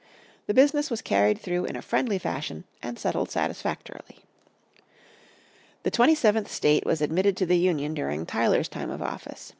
The business was carried through in a friendly fashion and settled satisfactorily. The twenty seventh state was admitted to the Union during Tyler's time of office.